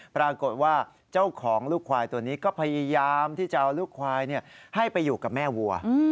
ปรากฏว่าเจ้าของลูกควายตัวนี้ก็พยายามที่จะเอาลูกควายให้ไปอยู่กับแม่วัว